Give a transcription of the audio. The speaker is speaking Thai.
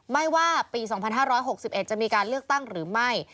ว่าปี๒๕๖๑จะมีการเลือกตั้งหรือไม่